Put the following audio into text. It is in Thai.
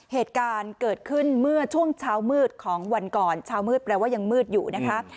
เหตุการณ์เกิดขึ้นเมื่อช่วงเช้ามืดของวันก่อนเช้ามืดแปลว่ายังมืดอยู่นะคะ